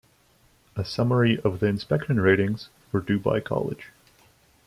A summary of the inspection ratings for Dubai College.